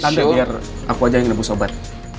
saya biar aku aja yang nebus obat